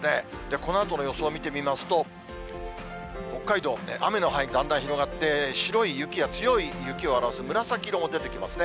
このあとの予想見てみますと、北海道、雨の範囲だんだん広がって、白い雪や強い雪を表す紫色も出てきますね。